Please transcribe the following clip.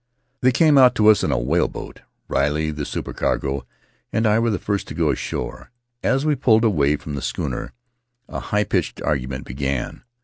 They came out to us in a whaleboat; Riley, the supercargo, and I were the first to go ashore. As we pulled away from the schooner a high pitched argu ment began.